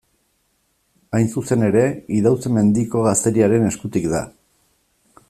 Hain zuzen ere, Idauze-Mendiko gazteriaren eskutik da.